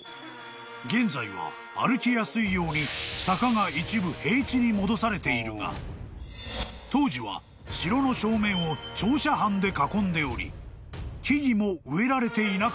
［現在は歩きやすいように坂が一部平地に戻されているが当時は城の正面を長斜坂で囲んでおり木々も植えられていなかった］